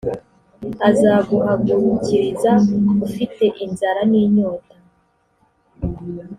azaguhagurukiriza ufite inzara n inyota